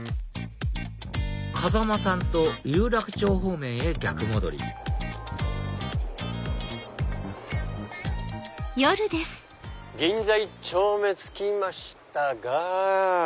風間さんと有楽町方面へ逆戻り銀座一丁目着きましたが。